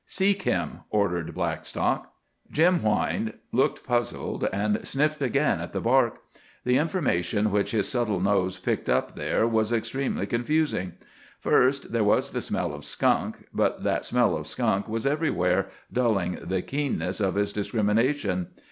"Seek him," ordered Blackstock. Jim whined, looked puzzled, and sniffed again at the bark. The information which his subtle nose picked up there was extremely confusing. First, there was the smell of skunk—but that smell of skunk was everywhere, dulling the keenness of his discrimination.